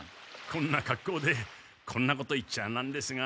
こんな格好でこんなこと言っちゃなんですが。